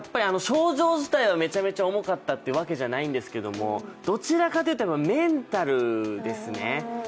症状自体はめちゃめちゃ重かったってわけじゃないですけどどちらかというとメンタルですね。